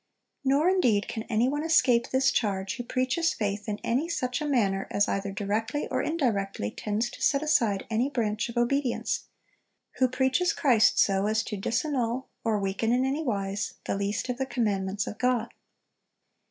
Nor indeed can any one escape this charge, who preaches faith in any such a manner as either directly or indirectly tends to set aside any branch of obedience: who preaches Christ so as to disannul, or weaken in any wise, the least of the commandments of God."